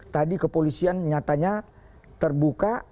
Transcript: tadi kepolisian nyatanya terbuka